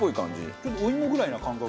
ちょっとお芋ぐらいな感覚。